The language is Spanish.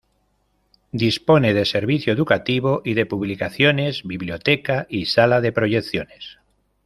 Dispone de servicio educativo y de publicaciones, biblioteca y sala de proyecciones.